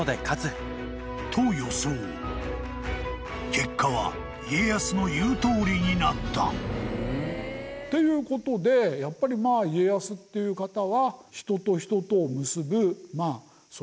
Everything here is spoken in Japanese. ［結果は家康の言うとおりになった］っていうことでやっぱり家康っていう方は。